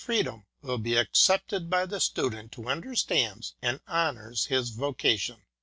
177 Freedom will be accepted by the Student who understands and honours his vocation.